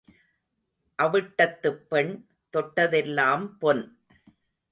அவிட்டத்துப் பெண் தொட்டதெல்லாம் பொன்.